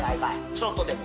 ちょっとでも。